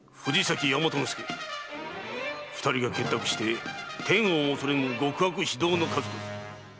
二人が結託して天をも恐れぬ極悪非道の数々。